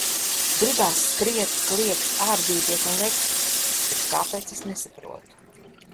Gribās skriet, kliegt, ārdīties un lekt, bet kāpēc, es nesaprotu.